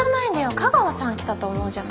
架川さん来たと思うじゃない。